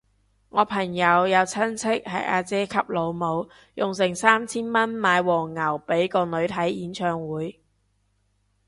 我朋友有親戚係阿姐級老母，用成三千蚊買黃牛俾個女睇演唱會